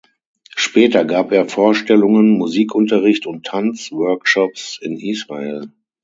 Später gab er Vorstellungen, Musikunterricht und Tanz-Workshops in Israel.